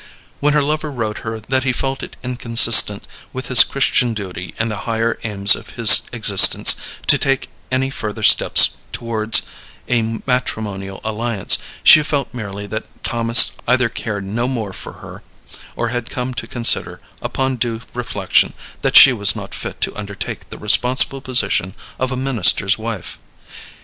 When her lover wrote her that he felt it inconsistent with his Christian duty and the higher aims of his existence to take any further steps towards a matrimonial alliance, she felt merely that Thomas either cared no more for her, or had come to consider, upon due reflection, that she was not fit to undertake the responsible position of a minister's wife.